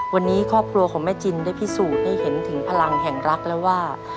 วันนี้ครอบครัวของแม่จินได้พิสูจน์ให้เห็นถึงพลังแห่งรักแล้วว่า